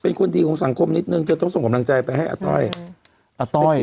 เป็นความดีของสังคมนิดหนึ่งจะต้องส่งขอบรังใจไปให้ต้อย